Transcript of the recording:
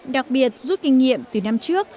đặc biệt rút kinh nghiệm từ năm trước